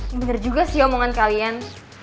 bener juga sih omongan kalian